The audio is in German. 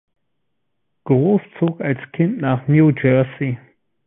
Gross zog als Kind nach New Jersey.